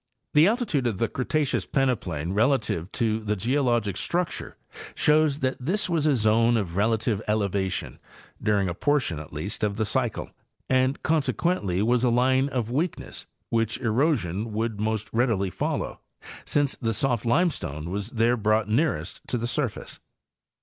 The altitude of the Cretaceous peneplain relative to the geologic structure shows that this was a zone of relative elevation during a portion at least of the cycle, and consequently was a line of weakness which erosion would most readily follow, since the soft limestone was there brought nearest the surface.